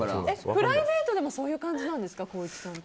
プライベートでもそういう感じなんですか？